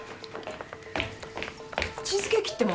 チーズケーキってもんは？